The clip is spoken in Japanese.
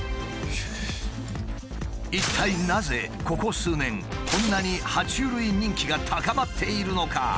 一体なぜここ数年こんなには虫類人気が高まっているのか？